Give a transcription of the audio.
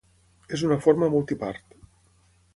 És una forma multipart.